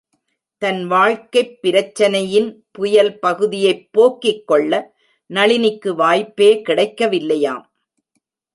தன் வாழ்க்கைப் பிரச்சினையின் புயல் பகுதியைப் போக்கிக்கொள்ள நளினிக்கு வாய்ப்பே கிடைக்கவில்லையாம்!